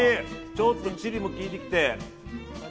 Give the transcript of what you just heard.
ちょっとチリも効いてきて。